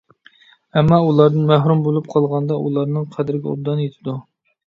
ئەمما، ئۇلاردىن مەھرۇم بولۇپ قالغاندا ئۇلارنىڭ قەدرىگە ئوبدان يېتىدۇ.